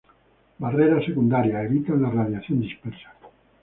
Barreras secundarias: evitan la radiación dispersa.